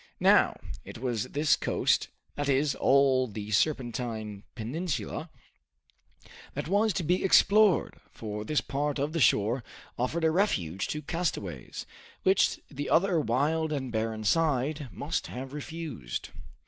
Now, it was this coast, that is, all the Serpentine Peninsula, that was to be explored, for this part of the shore offered a refuge to castaways, which the other wild and barren side must have refused.